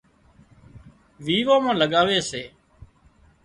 ويوان مان لڳاوي سي